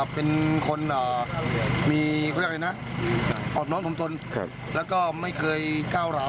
เป็นคนอ่ามีเขาอยากเรียกนะออกน้องสมทนครับแล้วก็ไม่เคยเก้าร้าว